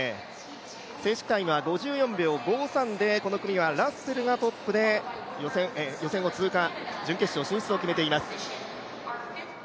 正式タイムは５４秒５３でこの組はラッセルがトップで予選を通過、準決勝進出を決めています。